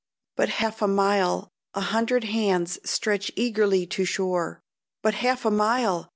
But half a mile! a hundred hands Stretch eagerly to shore. But half a mile!